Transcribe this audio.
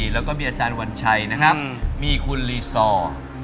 แล้วก็มีอาจารย์วัญชัยนะครับมีคุณลีซอร์